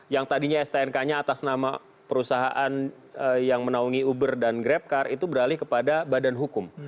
yang tadinya stnk nya atas nama perusahaan yang menaungi uber dan grabcar itu beralih kepada badan hukum